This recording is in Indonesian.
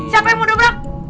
siapa yang mau dobrak